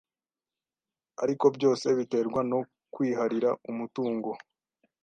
ariko byose biterwa no kwiharira umutungo